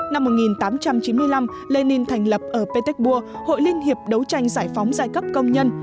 năm một nghìn tám trăm chín mươi năm lenin thành lập ở petersburg hội liên hiệp đấu tranh giải phóng giai cấp công nhân